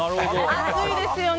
暑いですよね。